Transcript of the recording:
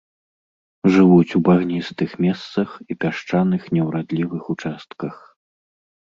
Жывуць у багністых месцах і пясчаных неўрадлівых участках.